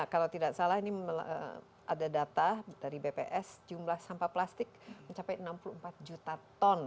kalau tidak salah ini ada data dari bps jumlah sampah plastik mencapai enam puluh empat juta ton